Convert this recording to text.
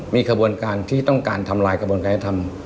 มีขบวนการที่ต้องการทำลายกระบวนการธรรม